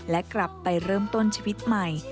และกลับไปเริ่มต้นชีวิตใหม่